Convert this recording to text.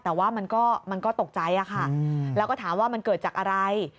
แต่ว่ามันก็ตกใจค่ะแล้วก็ถามว่ามันเกิดจากอะไร